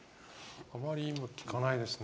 あまり今、聞かないですね